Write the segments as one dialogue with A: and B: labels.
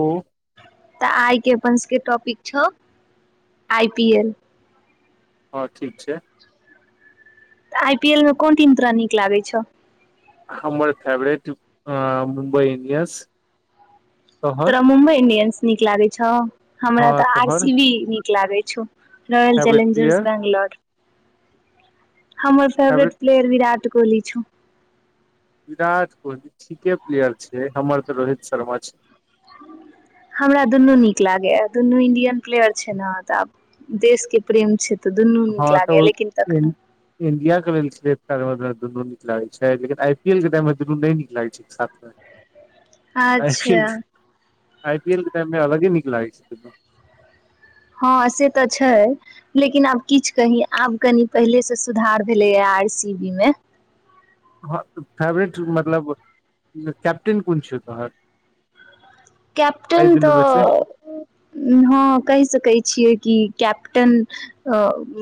A: ओ
B: तऽ आय के अपन सभके टॉपिक छौ आई पी एल
A: हँ ठीक छै
B: तऽ आई पी एल मे कोन टीम तोरा नीक लागै छौ
A: हमर फेवरेट अ मुम्बई इणडियन्स
B: तोरा मुम्बई इंडियन्स नीक लागै छौ हमरा
A: हँ
B: तऽ आर
A: तोहर
B: सी बी नीक लागै छौ royal
A: favourite player
B: challengers Bangalore हमर फेवरेट प्लेयर विराट कोहली छौ
A: विराट कोहली ठीके प्लेयर छै हमर तऽ रोहित शर्मा छै
B: हमरा दुनू नीक लागैया दुनू इंडियन प्लेयर छै ने तऽब देश के प्रेम छै तऽ दुन्नू नीक
A: हँ
B: लागैया
A: तऽ
B: लेकिन तखनो
A: इंडिया के लेल दुनू नीक लागैत छै लेकिन आई पी एल के टाइममे दुनू नहि नीक लागैत छै साथमे
B: अच्छा
A: आई पी एल के टाइममे अलगे नीक लागे छै
B: हँ से तऽ छै लेकिन आब किछ कही आब कनि पहिलेसँ सुधार भेलैए आर सी बी मे
A: ह फेवरेट मतलब कैप्टेन कोन छौ तोहर एहि
B: कैप्टन
A: दुनू मे से
B: तऽ हँ कहि सकैत छियै कि कैप्टन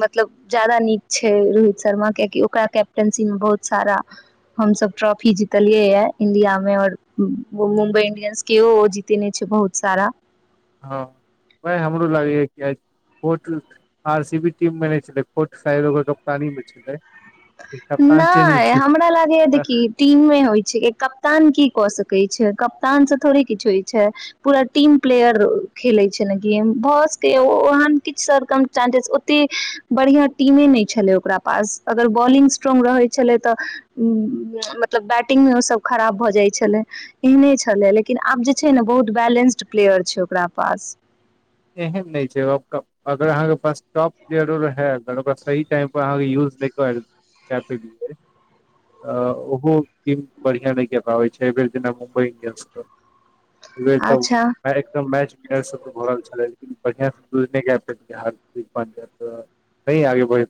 B: मतलब जादा नीक छै रोहित शर्मा कियाकि ओकरा कैप्टेनशी मे बहुत सारा हमसब ट्रॉफी जीतलियै य इंडिया में और मुम्बई इंडियन्स केओ ओ जीत देने छै बहुत सारा
A: हँ उएह हमरो लागैए किये कोर्ट आर सी बी टीममे नहि छलै कोर्ट शायद ओकर कप्तानीमे छलै कप्तान चेंज
B: नहि
A: भेलै
B: हमरा लागैया देखी टीम मे होइ छै कप्तान की क सकैत छै कप्तान से थोड़े किछु होइ छै पूरा टीम प्लेयर खेले छै ने गेम भ ओ सकैया ओहन किछ सर कम चानंसेस ओते बढ़िया टीमे नहि छलै ओकरा पास अगर बॉलिंग स्ट्रोंग रहै छलै तऽ मतलब बैटिंगमे ओसभ खराब भऽ जाइ छलै एहने छलै लेकिन आब जे छै ने बहुत बैलेंस्ड प्लेयर छै ओकरा पास
A: एहन नहि छै अगर अहाँके पास टॉप प्लेयरो रहे ओकरा सही टाइमपर अहाँके यूज नहि कर कए पेलियै तऽ ओहो टीम बढ़िआँ नहि कए पाबै छै एहि बेर जेना मुम्बइ इंडियन्सके नै त
B: अच्छा
A: आइ त मैच प्लेयर सब भऽ रहल छै लेकिन बढ़िआँसँ यूज नहि क पै हर चज बनि जाय तऽ सही आगे बढ़ि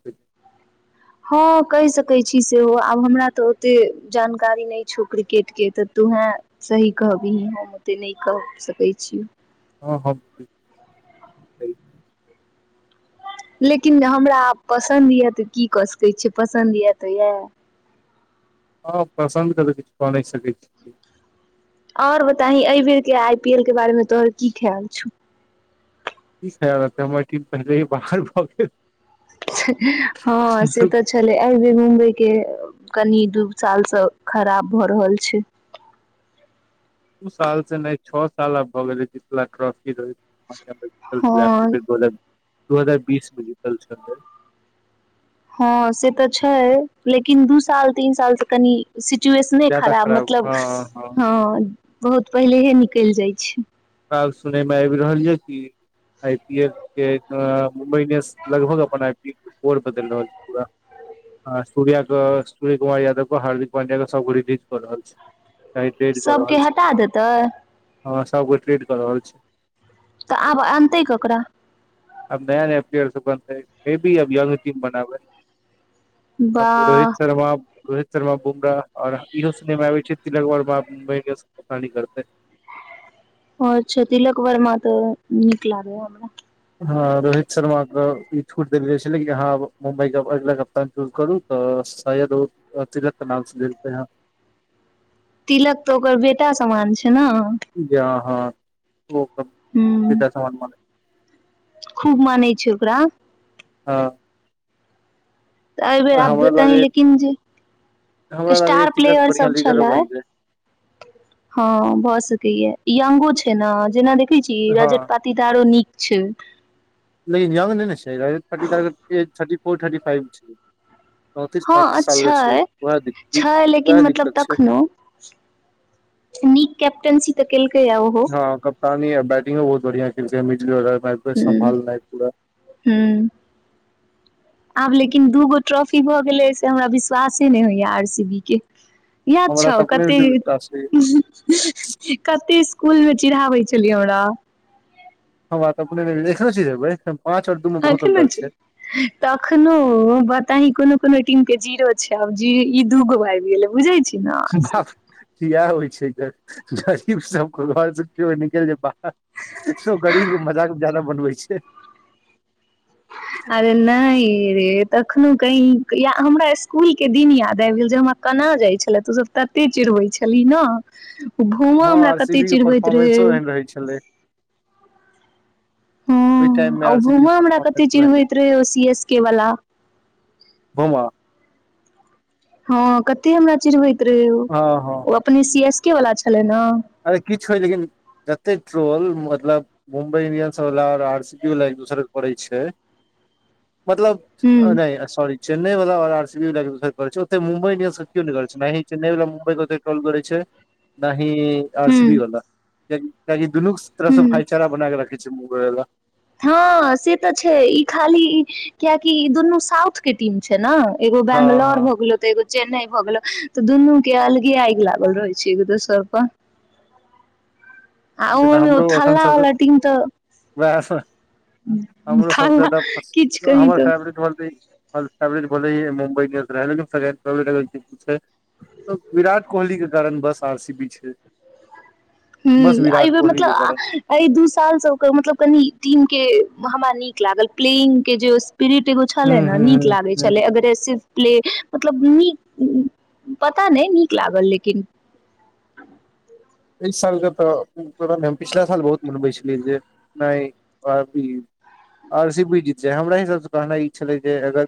B: हँ कहि सकैत छी सेहो आब हमरा तऽ ओतेक जानकारी नहि छौ क्रिकेटके तऽ तोहेँ सही कहबही हम ओतेक नहि कहि सकैत छियौ
A: हँ हँ
B: लेकिन हमरा पसन्द यै तऽ की कऽ सकैत छीयै पसन्द यै तऽ यै
A: हँ पसन्द करऽ किछु क नइ सकै छी
B: और बताही अइ बेेर के आई पी एल के बारे मे तोहर की खयाल छौ
A: की खयाल रहतै हमर टिम पहिलेही बाहर भऽ गेल
B: हँ से तऽ छलै अइ बेर मुम्बई के कनि दू साल सँ खराब भऽ रहल छै
A: दू साल से नइ छ साल आब भऽ गेले जितला ट्र जी
B: हँ
A: रोहित बोल [unintelligible] दू हजार बीस मे जीतल छलै
B: हँ से तऽ छै लेकिन दू साल तीन साल सऽ कनि सिचुएशने खराब मतलब हँ बहुत पहिलेे हे निकलि जाइ छै
A: आब सुनयमे आबि रहल यऽ कि आई पी एल के मुम्बई इंडियंस लगभग अपन आई पी एल के कोर बदलि रहल छै पूरा आ सूर्या क सूर्य कुमार यादव क हार्दिक पांड्या क सबके रिलीज कऽ रहल छै चाहे ट्रेड कऽ
B: सभ
A: रहल
B: केँ
A: छै
B: हटा देतै
A: हँ सब गौटे ट्रेड कऽ रहल छै
B: तऽ आब अनतै ककरा
A: अब नया नया प्लेयर्स सबके अनतै मेबी अब यंग टीम बनाबै अब
B: वाह
A: रोहित शर्मा रोहित शर्मा बुमराह और इहो सुनैमे आबे छै तिलक वर्मा आब मुम्बई के कप्तानी करतै
B: आ अच्छा तिलक वर्मा तऽ निकलागय या हमरा
A: हँ रोहित शर्मा के ई छूट देल गेल छलै कि अहाँ मुम्बईके अगिला कप्तान चूज करू तऽ शायद तिलक के नाम सुनेलल कै हँ
B: तिलक त ओकर बेटा सामान छै छै ने
A: हँ ओ त
B: ह
A: पिता समान मानय
B: खूब मानै छै ओकरा
A: हँ
B: तऽ अइबर आब
A: हमरा
B: देता हीं
A: लागैये
B: लेकिन जे
A: हमरा लागैये
B: स्टार
A: तिलक
B: प्लेयर
A: बढ़िया
B: सब
A: लीडरो
B: छलै
A: बनि जाय
B: हँ भऽ सकैया यंगो छै ने जेना देख
A: हँ लेकिन यंग नैने छै रजत पाटीदार के age thirty four thirty five छै चौंतीस पैंतीस सालके छै वए
B: छै लेकिन
A: वएह
B: मतलब
A: दिक्कत छै
B: तखनो नीक कैपटन्सी त
A: हँ कप्तानी आ बैटिंगो बहुत बढ़िया केलकै है मिडील आर्डर
B: हूं
A: सम्भालनाय पूरा [unintelligible]
B: हूं आब लेकिन दू गो ट्रॉफी भऽ गेलै से हमरा विश्वासे नहि होइया आर सी बी के याद
A: हमरा तऽ
B: छ‌उ
A: अपने नहि विश्वास होइये
B: कतेक कते कुल मेम चिढ़ाबै छलियै हमरा
A: हमरात अपने नहि एखनो चीढैबै एखन पाँच आओर दू मे बहुत
B: अखन
A: अन्तर छै
B: तखनो बताही कोनो कोनो टीम केँ जीरो छैक आब जी ई दूगो आइब गेलय बुझैत छियैक
A: इएह होइत छैक गरीब सबकेँ घर से जो निकल जो बा सोब गरीब क मजाक ज्यादा बनबय छैक
B: अरे नहि रे तखनो कही या हमरा इसकुलकेँ दिन याद आबि गेल जे हमरा कना जाइत छला तो सभ तते चिड़बैत छलही न
A: हँ आर सी बी के परफॉर्मेंसो एहन रहैत छलै ओहि
B: ह्म
A: टाइम मे
B: आ ओ
A: आर सी बी के
B: घूमो हमरा कतेक
A: परफोर्मेंसो एहन रहै।
B: चिरबैत रहय ओ सी एस के वला
A: बुमा
B: हँ कते हमरा चिरबे ओ
A: हँ हँ
B: अपने सी एस कें वला छलैक न
A: अरे किछु होय लेकिन जतेक ट्रोल मतलब मुम्बइ इंडियन्सवला ओर आरसीबी वला एक दूसरकेँ करय छैक मतलब
B: हूँ
A: नहि सॉरी चेन्नई वाल आरसीबी वला एक दोसर केँ करइ छैक ओते मुम्बई इंडियन्स केओ नहि करइ छै ने चेन्नई वा मुम्ई केत ट्रल करय छैक न ही आर सी बी
B: हूँ
A: वला त [unintelligible] दुनू तरह से
B: हूँ
A: भईचारा बनााकऽ रखैत छैक मुगला
B: हँ से तऽ छैक ई खाली कियाकि दुनू साउथ केँ टीम छैक ने एगो
A: हँ
B: बंगलोर
A: हँ
B: हो गेलो तऽ एगो चेन्नई भऽ गेलो तऽ दुनू केँ अलगे आगि लागल रहैत छैट एक दोसर पर आ
A: जेना
B: ओहोमे
A: हमरो एखन
B: थाला
A: सब
B: वला टीम तऽ
A: वएह हमरो
B: ता
A: सबस जादा
B: किचु कही
A: हमर
B: तऽ [unintelligible]
A: फेवरेट होलै फेवरेट बॉलै मुम्बइ इंडियन्स रहय सेकेंड फेवरट छैक विराट कोहलीकेँ कारण बस आर सी बी छैक
B: हू [inaudible] एहि बेर मतलब अइ दू साल से ओकर मतलब कनि टिम केँ हमरा नीक लागल प्लेइंग कें जे पीरिट एगो
A: हूं
B: छलैक ने
A: हूं
B: नीक लागय
A: हूं हूं
B: छलैक अगरे सिर्फ प्ले मतलब नीक पता नइ नीक लागल लेकिन
A: इ साल के त हम पिछला साल बहुत मनबे छलियै जे न हि आर सी बी जीत जाय हमरा हिसाब कहना ई छले जे अगर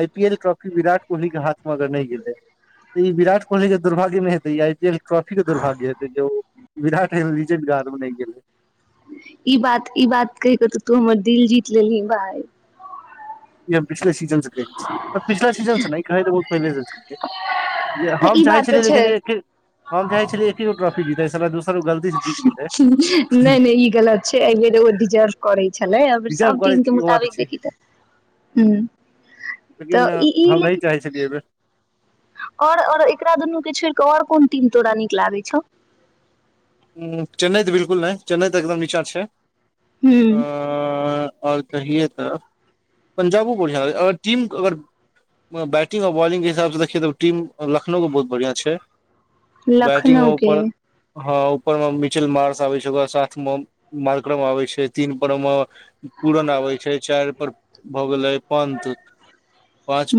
A: I P L trophy Virat Kohli के हाथं अगर नहि गेले त ई विराट कोहली के दुर्भाग्य नहि हेते ई आई पी एल के ट्रफीे के दुर्भग्य हे विराट ऐगो लेजेंड के हाथ मे नइ गेल
B: ई बात ई बात कहि क तऽ तू हमर दिल जीत लेलही भाय
A: इ हम पिछेले सीजन से कहै छी मल पिछला सी जन न नहि कहै पहिने संस्क [unintelligible] जे हम
B: ई
A: चाहै
B: बात तऽ
A: छलियै लेकिन
B: छै
A: एक हम चाहै छलियै एके गो ट्रॉफी जीत त सला दूसर गलती से जीत गेलै
B: नइ नइ ई गलत छै एहि बेर ओ डिजर्व करै छै छलै अइ बेर
A: रिजर्व करै
B: सबटीम के
A: छी ओ बात
B: मुताबिक
A: छै
B: देखी तऽ ह
A: लेकिन
B: तऽइ ई
A: हम नहि
B: लेकिन
A: चाहै छलियै एहि बेर
B: ओर ओर एकरा दुनूके छोड़ि कऽ आओर कोन टीम तोरा नीक लागै छौ
A: ह चेन्नईइऽ बिलकुल नइ चेन्नई तऽ एकदम नीचाँ छै
B: ह्म
A: और कहियै तऽ पंजाबो बढ़िआँ अगर टीम अगर बैटिंग आओर बॉलिंग के हिसाब सँ देखियै तऽ ओ टीम लखनउ बहुत बढ़िआँ छै बैटिंग मे
B: लखनऊ के
A: उपर हँ पर मे मिचल मार्स आबै छै ओकरा साथमे मार्क्रम आबै छै तीन पर मे पूरन आबै छै चारि पर भऽ गेलै पंथ
B: ह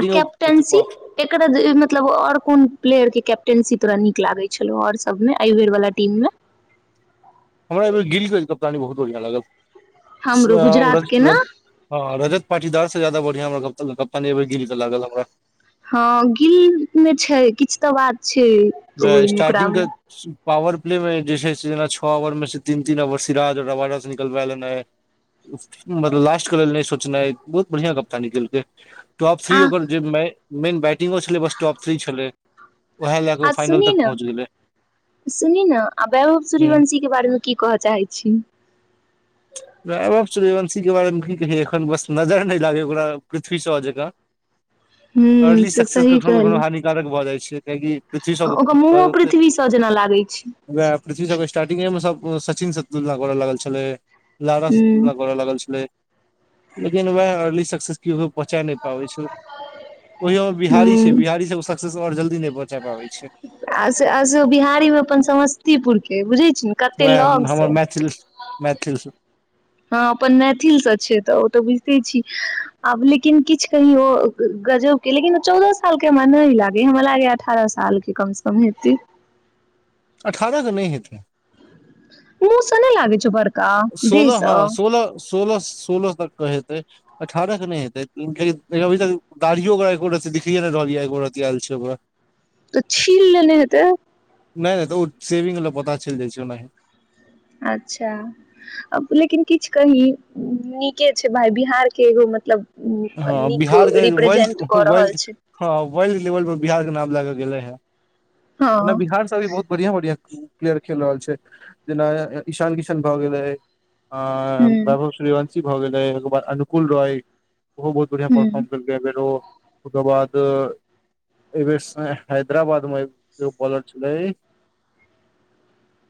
B: आ कैप्टेन्सी एकर मतलब आओर कोन प्लेयर के कैप्टेंसी तोरा नीक लागै छलौ और सबमे अय बेर वाला टीम मे
A: हमरा अय बेर गिल के कप्तानी बहुत बढ़िआं लागल
B: हमरो गुजरात के ने
A: ह रजत पाटीदार से जयादा बत हमरा कप्तानी अय बेर गिल तऽ लागल हमरा [unintelligible]
B: हँ गिल मे छै किछ तऽ बात छै ओइ
A: वएह
B: ओकरा
A: स्टार्टिंग के
B: मे
A: पावर प्लेमे जे छै से जेना छओ ओवरमे तीन तीन ओवर सिराज रवाडा सँ निकलबा लेनाइ मतलब लास्टके लेल नहि सोचनाइ बहुत बढ़िआँ करतानी केलकै टॉप
B: आ
A: थ्री ओकर जियमे मेन बैट टिंगो छलै बस टॉप थ्रि छलै उएह लए क
B: आ सुनी ने सुनी ने आ वैभव
A: ह
B: सूर्यवंशी के बारेमे की कहऽ चाहैत छी
A: वैभव सूर्यवंशी के बारेमे की कहिये एखन बस नजर नहि लागै ओकरा पृथ्वी सँ जेकाँ
B: हूं
A: अर्ली
B: से
A: सक्सेस
B: सही
A: कखनो
B: कहली
A: कखनो हानिकारक भऽ जाइ छै जे कहि पृथ्वी सॉ
B: ओकर मुँहो पृथ्वी स जेना लागै छै
A: वैह पृथ्वी सॉ के स्टार्टिंगे मे [inaudible] सचिन सँ तुलना करऽ लागल छलै लाड़ा स तु
B: हूं
A: लागल छलै लेकिन वह अर्ली सक्सेस क बचा नहि पाबे छै ओहियो बिहारी छै
B: हूं
A: बिहारी सबके सक्सेस आओर जल्दी नहि बचा पाबै छै
B: आसे आसे बिहारी मे अपन समस्तीपुर के ए बुझै छी ने कते
A: उए
B: लग
A: हमर
B: स
A: मैथिलस मैथिलस
B: हँ अपन मैथिलसँ छै तऽ ओ तऽ बुझिते छी आब लेकिन किछु कहि ओ गजबके लेकिन चौदह सालके हमरा नहि लागै हमरा लागैए अठारह सालके कमसँ कम हेतै
A: अठारह तऽ नहि हेतै
B: मुँह सने लागै छौ ओकर का दिह
A: सोलह
B: स
A: हँ सोलह सोलह सोलह तकके हेतै अठारह क नहि हेतैय कियाकि अभि तक दाड़ियो ओकरा एको रत्ति दिखायो नहि रहलिय एको रति आयल छै ओकरा
B: तऽ छील लेने हेतै
A: नहि नहि तऽ ओ सेविंग लए पता चलि जाइ छै ओनाही
B: अच्छा अब लेकिन किछु कही नीके छै भााय बिहारके एगो मतलब
A: हँ
B: नीक
A: बिहारके वर्ल्ड
B: रिप्रेजेंट कऽ रहल
A: वर्ल्ड
B: छै
A: हँ वर्ल्ड लेवल पर बिहार के नाम लाके गेलै हं
B: हँ
A: ओना बिहारसँ भी बहुत बढ़िया बढ़िया प्लेयर खेल रहल छै जेना ईशान किशन भए गेलै आ
B: हूँ
A: बाबु श्रीवत भऽ गेलै ओय के बाद अनुकूल रॉय ओहो बहुत बढ़िआ
B: हूँ
A: परफर्म केलकै अय बेर ओ ओकर बाद एहि बेर हैदराबाद मे बॉलर छलै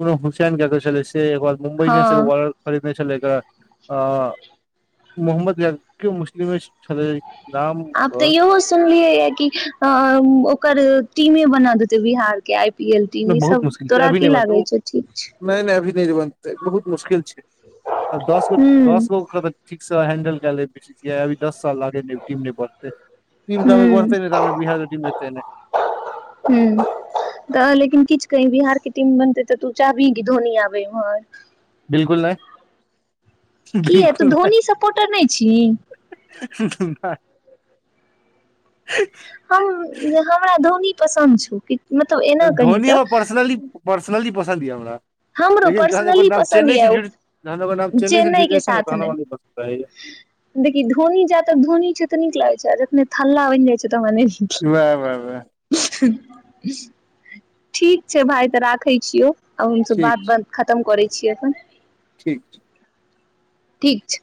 A: अकरो कुछ छल से एक मुम्बई
B: हँ
A: बौलर छलै तऽ अ मोहम्मद यकिम मुश [inaudible] [inaudible] छलै
B: आब तऽ इहो सुनलियै य कि अ ओकर टीमे बना देते बिहार के आय पी एलटी ई
A: बहुत
B: सब
A: मुश्किल छै
B: तोरा
A: अभी नहि
B: की
A: बनतै
B: लागे
A: ओ,
B: छौ ठीक छै
A: नहि नहि अभी बनतै बहुत मुश्किल छै दस गो
B: हूं
A: दस गो क त ठिक स हैंडल छै चियै अभि दस लागैय टीम बढ़तै नहि टीम जाब
B: हूं
A: बढ़तै नहि ताब बिहार क टीम एतै नहि
B: कहीं बिहार के टीम बनते तऽ तू चाहबिहि कीधोनी आबे इम्हर
A: बिल्कुल नहि
B: कीय त
A: बिल्कुल
B: धोनी सपोटर नहि छी
A: ा [inaudible]
B: हम हमरा धोनी पसन्द छू कि
A: धोनी हम पर्सनलि पसंद पसन्द य हमरा
B: हमरो
A: लेकिन जहन ओकर
B: पर्सनली
A: नाम
B: पसन्द
A: चेन्नई से
B: यए
A: जुड़ जहन ओकर नाम से
B: चेन्नई
A: जुड़
B: के
A: जाइ छै ने तहन
B: साथने
A: हमरा नहि पसन्द रहैया
B: देखि धोनी जा तक धोनी छै तऽ नीक लागैत छै [inaudible] नहि थला बन जाइत छैक तऽ मने [inaudible]
A: वाह वाह वाह
B: ठीक छै भाय तऽ राखय छियौ आब हम
A: ठीक छै
B: बात खतम करैत छी छी एखन
A: ठीक छैक
B: ठीक छै